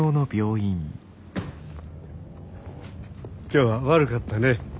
今日は悪かったね。